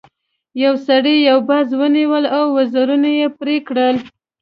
یو سړي یو باز ونیو او وزرونه یې پرې کړل.